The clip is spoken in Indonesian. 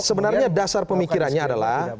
sebenarnya dasar pemikirannya adalah